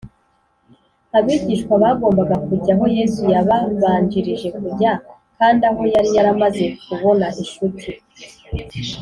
abigishwa bagombaga kujya aho yesu yababanjirije kujya, kandi aho yari yaramaze kubona incuti